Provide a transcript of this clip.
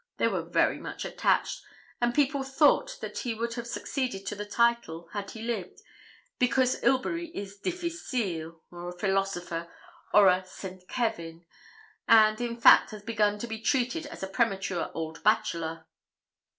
They were very much attached, and people thought that he would have succeeded to the title, had he lived, because Ilbury is difficile or a philosopher or a Saint Kevin; and, in fact, has begun to be treated as a premature old bachelor.'